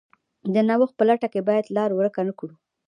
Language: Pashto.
د نوښت په لټه کې باید لار ورکه نه کړو.